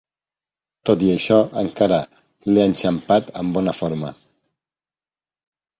Tot i això, encara l'he enxampat en bona forma.